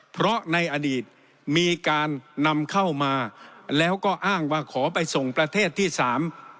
เพราะในอดีตมีการนำเข้ามาแล้วก็อ้างว่าขอไปส่งประเทศที่สาม